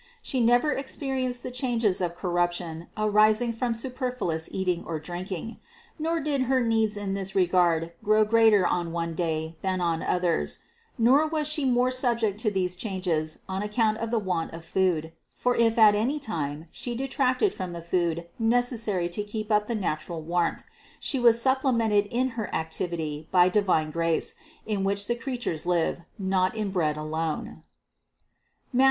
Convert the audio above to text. She never ex perienced the changes of corruption arising from super fluous eating or drinking; nor did her needs in this regard grow greater on one day than on others; nor was She more subject to these changes on account of the want of food; for if at any time She detracted from the food necessary to keep up the natural warmth, She was sup plemented in her activity by divine grace, in which the creature lives, not in bread alone (Matth.